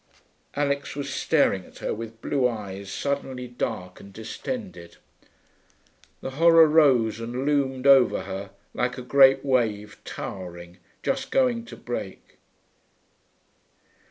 Alix was staring at her with blue eyes suddenly dark and distended. The horror rose and loomed over her, like a great wave towering, just going to break.